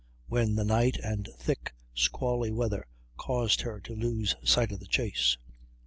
when the night and thick squally weather caused her to lose sight of the chase.